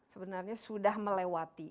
sebenarnya sudah melewati